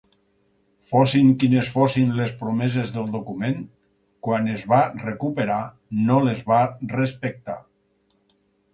Fossin quines fossin les promeses del document, quan es va recuperar no les va respectar.